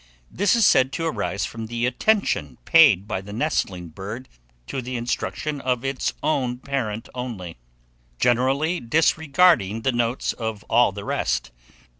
This is said to arise from the attention paid by the nestling bird to the instructions of its own parent only, generally disregarding the notes of all the rest.